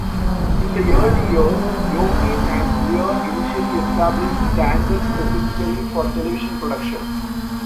In the early years, Yorkin and Lear initially established Tandem specifically for television production.